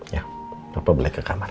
ya papa balik ke kamar